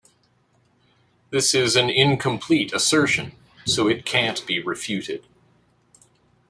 This is an incomplete assertion, so it can't be refuted.